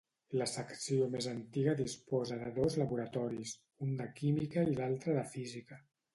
La secció més antiga disposa de dos laboratoris, un de química i l'altre de física.